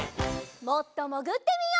もっともぐってみよう。